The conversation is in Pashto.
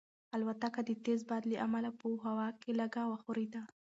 الوتکه د تېز باد له امله په هوا کې لږه وښورېده.